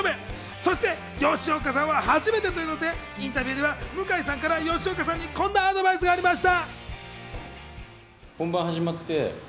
そして吉岡さんは初めてということで、インタビューでは向井さんから吉岡さんにこんなアドバイスがありました。